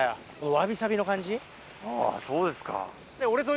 あぁそうですか。